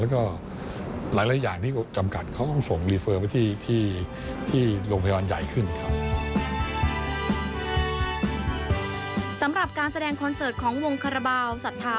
แล้วก็หลายอย่างที่จำกัดเขาต้องส่งรีเฟอร์ไปที่โรงพยาบาลใหญ่ขึ้นครับ